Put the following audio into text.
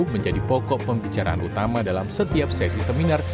menjadi pokok pembicaraan utama dalam setiap sesi seminar